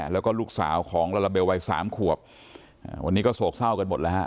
แล้วก็ลูกสาวของลาลาเบลวัยสามขวบวันนี้ก็โศกเศร้ากันหมดแล้วฮะ